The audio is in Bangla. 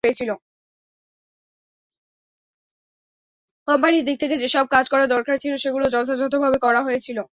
কোম্পানির দিক থেকে যেসব কাজ করা দরকার ছিল, সেগুলোও যথাযথভাবে করা হয়েছিল।